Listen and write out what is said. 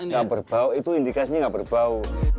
tidak berbau itu indikasinya tidak berbau